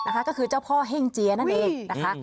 ก็คือเจ้าพ่อเฮ่งเจียนั่นเองนะคะ